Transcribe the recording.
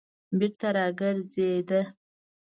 بېرته راگرځېده.